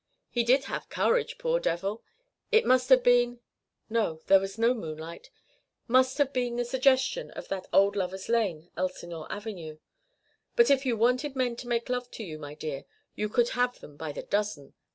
"He did have courage, poor devil! It must have been no, there was no moonlight. Must have been the suggestion of that old Lovers' Lane, Elsinore Avenue. But if you wanted men to make love to you, my dear, you could have them by the dozen.